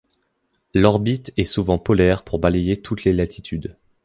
L'orbite est souvent polaire pour balayer toutes les latitudes.